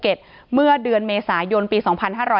ว่าต้องเทียบเคียงกับเหตุการณ์นี้ด้วยเดี๋ยวลองฟังดูค่ะ